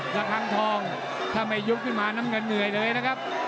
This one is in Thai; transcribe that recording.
ระคังทองถ้าไม่ยุบขึ้นมาน้ำเงินเหนื่อยเลยนะครับ